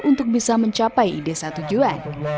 untuk bisa mencapai desa tujuan